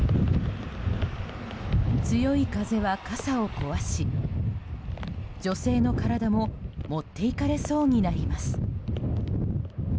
強い風は傘を壊し女性の体も持っていかれそうになります。